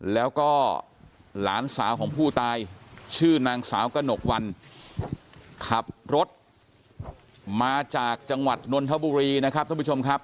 แล้วก็หลานสาวของผู้ตายชื่อนางสาวกระหนกวันขับรถมาจากจังหวัดนนทบุรีนะครับท่านผู้ชมครับ